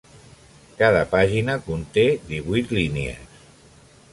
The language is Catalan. Cada pàgina conté divuit línies.